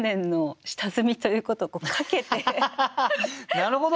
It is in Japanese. なるほど！